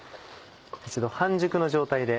一度半熟の状態で。